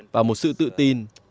và một sự tự tin